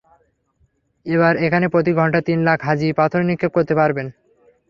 এবার এখানে প্রতি ঘণ্টায় তিন লাখ হাজি পাথর নিক্ষেপ করতে পারবেন।